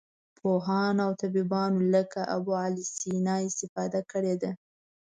پوهانو او طبیبانو لکه ابوعلي سینا استفاده کړې ده.